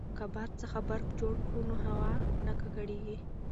که باد څخه برق جوړ کړو نو هوا نه ککړیږي.